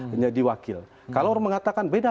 menjadi wakil kalau orang mengatakan beda